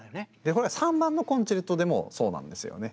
これは３番のコンチェルトでもそうなんですよね。